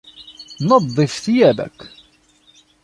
نَظِّفْ ثِيابَكَ.